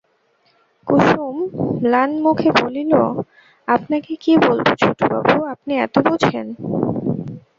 কুসুম স্নানমুখে বলিল, আপনাকে কী বলব ছোটবাবু, আপনি এত বোঝেন।